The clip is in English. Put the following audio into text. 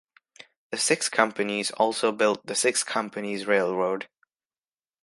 The Six Companies also built the Six Companies Railroad.